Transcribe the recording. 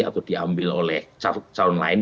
atau diambil oleh calon lain